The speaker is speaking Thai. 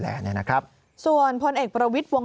ท่านก็ให้เกียรติผมท่านก็ให้เกียรติผม